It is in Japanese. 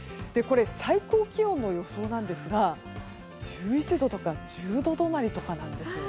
最高気温の予想なんですが１１度とか１０度止まりとかなんですよ。